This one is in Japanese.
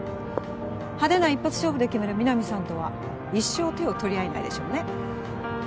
派手な一発勝負で決める皆実さんとは一生手を取り合えないでしょうね